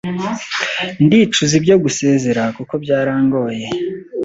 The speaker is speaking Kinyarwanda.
Ndicuza ibyo gusezera kuko byarangoye